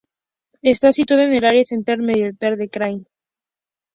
Está situado en el área central meridional del krai.